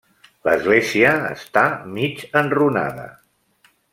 L'església està mig enrunada.